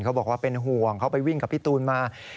เขาบอกว่าเป็นห่วงเขาไปวิ่งกับพี่ตูนมา